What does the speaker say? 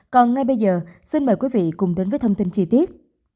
còn ngay bây giờ xin mời quý vị cùng đến với thông tin chi tiết